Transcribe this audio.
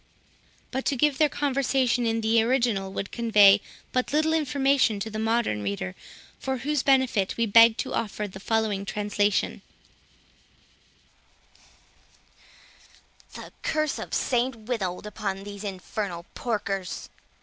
But to give their conversation in the original would convey but little information to the modern reader, for whose benefit we beg to offer the following translation: "The curse of St Withold upon these infernal porkers!"